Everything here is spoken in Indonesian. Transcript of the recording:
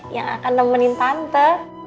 yang akan nemenin tante